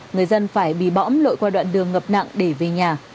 người dân phải bị bõm lội qua đoạn đường ngập nặng để về nhà